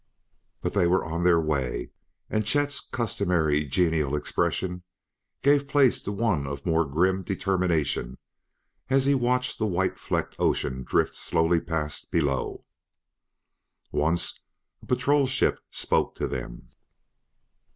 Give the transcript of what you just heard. But they were on their way, and Chet's customary genial expression gave place to one of more grim determination as he watched the white flecked ocean drift slowly past below. Once a patrol ship spoke to them.